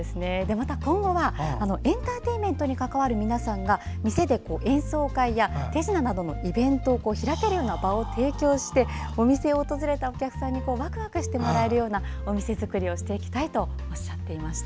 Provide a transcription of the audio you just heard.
また、今後はエンターテインメントに関わる皆さんが店で演奏会や手品のイベントなどを開けるような場を提供してお店を訪れたお客さんにワクワクしてもらえるようなお店作りもしていきたいとおっしゃっていました。